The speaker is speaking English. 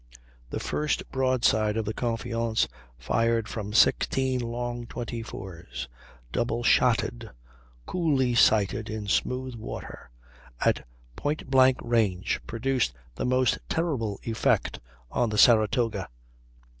The first broadside of the Confiance, fired from 16 long 24's, double shotted, coolly sighted, in smooth water, at point blank range, produced the most terrible effect on the Saratoga.